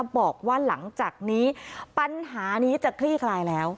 บอกว่าหลังจากนี้ปัญหานี้จะคลี่คลายแล้ว